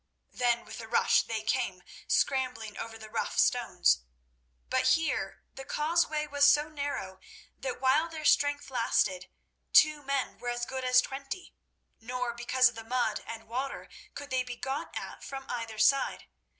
Then with a rush they came, scrambling over the rough stones. But here the causeway was so narrow that while their strength lasted, two men were as good as twenty, nor, because of the mud and water, could they be got at from either side.